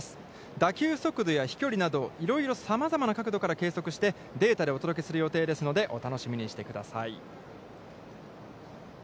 打球速度や飛距離などいろいろさまざまな角度から計測してデータでお届けする予定ですので、お楽しみにしてください。